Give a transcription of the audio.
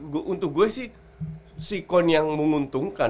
jadi untuk gue sih si kohn yang menguntungkan